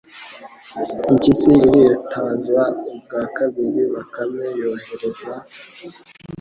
impyisi iritaza ubwa kabiri Bakame yohereza